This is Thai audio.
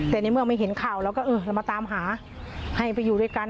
แต่ในเมื่อไม่เห็นข่าวเราก็เออเรามาตามหาให้ไปอยู่ด้วยกัน